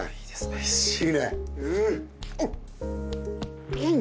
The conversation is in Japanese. おいしい！